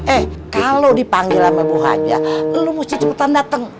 eh kalau dipanggil sama bu haja lo mesti cepetan datang